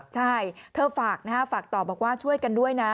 ใช่เธอฝากนะฮะฝากต่อบอกว่าช่วยกันด้วยนะ